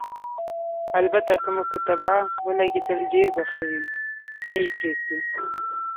البته که مو په طبعه ولګېدل، ډېر به ښه وي، نه یې پرېږدو.